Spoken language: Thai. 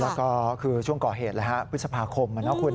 แล้วก็คือช่วงก่อเหตุพฤษภาคมนะคุณ